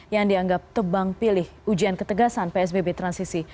yang dianggap tebang pilih ujian ketegasan psbb transisi